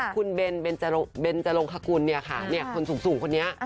คุณเบลโบรนกรัคกุลค่ะคนสูงคนนี้